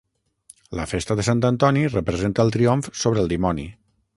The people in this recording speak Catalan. La festa de sant Antoni representa el triomf sobre el dimoni.